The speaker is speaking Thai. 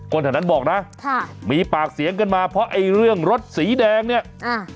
แถวนั้นบอกนะค่ะมีปากเสียงกันมาเพราะไอ้เรื่องรถสีแดงเนี่ยอ่า